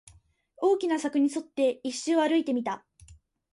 大きな柵に沿って、一周歩いてみた